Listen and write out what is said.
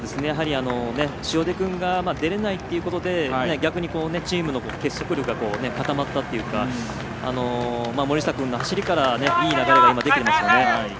塩出君が出られないということで逆にチームの結束力が固まったってっていうか森下君の走りからいい流れが出ていますよね。